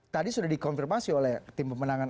tadi sudah dikonfirmasi oleh tim pemenangan